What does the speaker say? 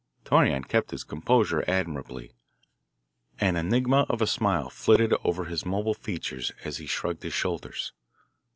Torreon kept his composure admirably. An enigma of a smile flitted over his mobile features as he shrugged his shoulders.